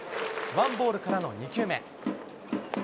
ワンボールからの２球目。